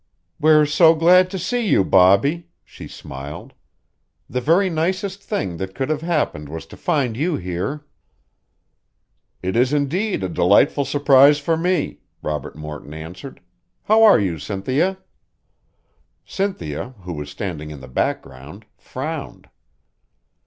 "We're so glad to see you, Bobbie!" she smiled. "The very nicest thing that could have happened was to find you here." "It is indeed a delightful surprise for me," Robert Morton answered. "How are you, Cynthia?" Cynthia, who was standing in the background, frowned.